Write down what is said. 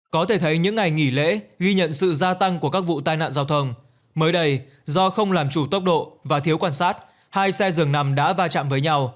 có thể thấy những ngày nghỉ lễ ghi nhận sự gia tăng của các vụ tai nạn giao thông mới đây do không làm chủ tốc độ và thiếu quan sát hai xe dường nằm đã va chạm với nhau